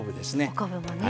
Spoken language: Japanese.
お昆布もね。